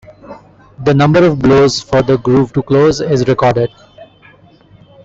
The number of blows for the groove to close is recorded.